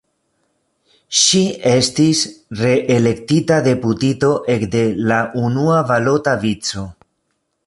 Ŝi estis reelektita deputito ekde la unua balota vico.